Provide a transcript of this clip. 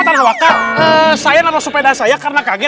saya nemu sepeda saya karena kaget